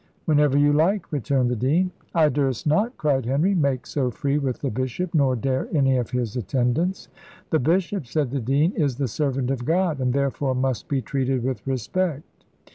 "Whenever you like," returned the dean. "I durst not," cried Henry, "make so free with the bishop, nor dare any of his attendants." "The bishop," said the dean, "is the servant of God, and therefore must be treated with respect."